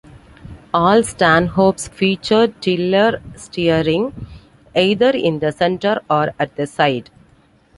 All Stanhopes featured tiller steering, either in the center or at the side.